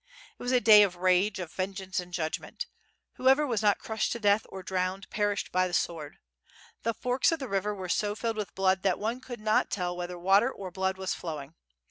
It was a day of rage, of vengeance, and judmgent. .. Whoever was not crushed to death, or drowned, perished by the sword. The forks of the river were so filled with blood that one could not tell whether water or blood was flowing.